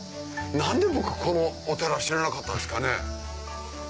何で僕このお寺知らなかったんですかね。